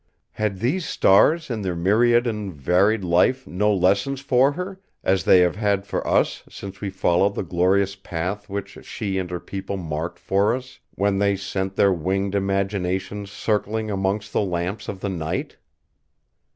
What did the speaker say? Had these stars in their myriad and varied life no lessons for her; as they have had for us since we followed the glorious path which she and her people marked for us, when they sent their winged imaginations circling amongst the lamps of the night!"